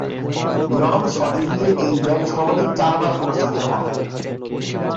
Laurence Olivier এই বিভাগে সর্বাধিক চারবার পুরস্কৃত হন।